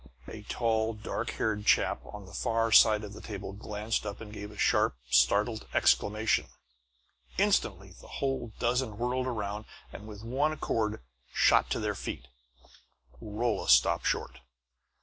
A tall, dark haired chap on the far side of the table glanced up and gave a sharp, startled exclamation. Instantly the whole dozen whirled around and with one accord shot to their feet. Rolla stopped short.